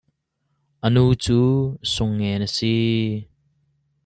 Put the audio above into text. A nu cu Sung Ngen a si.